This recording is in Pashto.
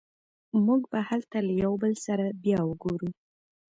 موږ به هلته له یو بل سره بیا وګورو